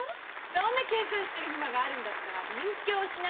そんな計算してる暇があるんだったら勉強しなさいよ。